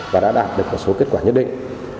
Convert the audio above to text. và đã đạt được một số kết quả nhất định